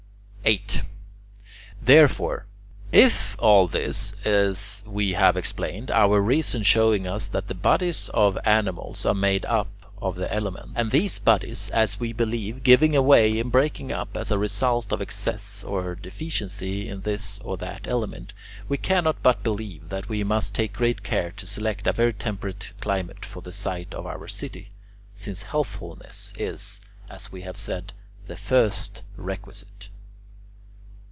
8. Therefore, if all this is as we have explained, our reason showing us that the bodies of animals are made up of the elements, and these bodies, as we believe, giving way and breaking up as a result of excess or deficiency in this or that element, we cannot but believe that we must take great care to select a very temperate climate for the site of our city, since healthfulness is, as we have said, the first requisite.